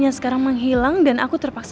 aku gak akan laporin kamu ke polisi